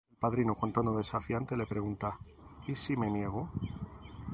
El padrino, con tono desafiante, les pregunta: ""¿Y si me niego?"".